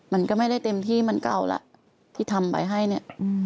มันก็ไม่ได้เต็มที่มันเก่าแล้วที่ทำไปให้เนี่ย